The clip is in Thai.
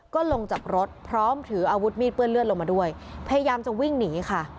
ก็ลงจากรถพร้อมถืออาวุธมีดเปื้อนเลือดลงมาด้วยพยายามจะวิ่งหนีค่ะ